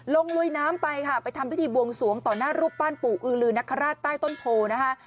ลุยน้ำไปค่ะไปทำพิธีบวงสวงต่อหน้ารูปปั้นปู่อือลือนคราชใต้ต้นโพนะคะ